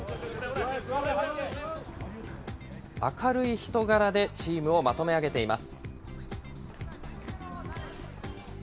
明るい人柄で、チームをまとめ上げています。